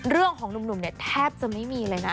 เรื่องของหนุ่มเนี่ยแทบจะไม่มีเลยนะ